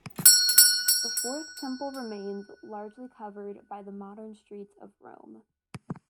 The fourth temple remains largely covered by the modern streets of Rome.